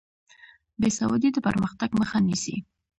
بې سوادي د پرمختګ مخه نیسي.